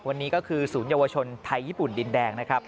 วันนี้ก็คือศูนย์เยาวชนไทยญี่ปุ่นดินแดง